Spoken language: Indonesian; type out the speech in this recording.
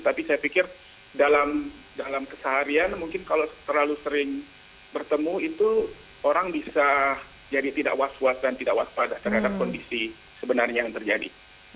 tapi saya pikir dalam keseharian mungkin kalau terlalu sering bertemu itu orang bisa jadi tidak was was dan tidak waspada terhadap kondisi sebenarnya yang terjadi